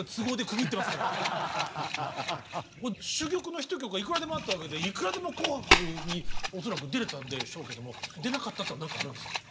もう珠玉のヒット曲はいくらでもあったわけでいくらでも「紅白」に恐らく出れたんでしょうけども出なかったっていうのは何かあるんですか？